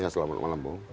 selamat malam bang